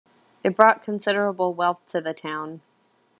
It brought considerable wealth to the town.